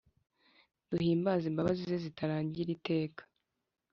Duhimbaze imbabazi ze zitarangir’iteka.